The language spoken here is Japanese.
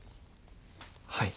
はい。